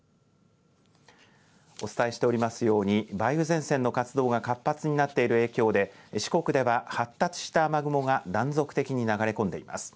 お伝えしておりますように梅雨前線の活動が活発になっている影響で四国では発達した雨雲が断続的に流れ込んでいます。